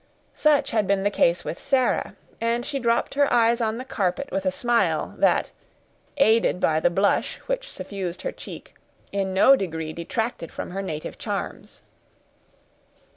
Such had been the case with Sarah, and she dropped her eyes on the carpet with a smile, that, aided by the blush which suffused her cheek, in no degree detracted from her native charms.